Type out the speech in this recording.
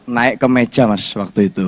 naik ke meja mas waktu itu